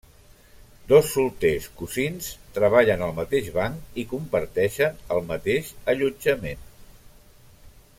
Dos solters, cosins, treballen al mateix banc i comparteixen el mateix allotjament.